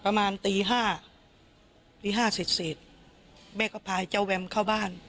ประมาณตี๕เสร็จแม่ก็พาเจ้าแวมเข้าบ้าน